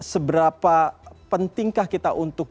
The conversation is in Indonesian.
seberapa pentingkah kita untuk